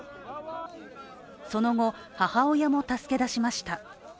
その後、母親も助け出しました。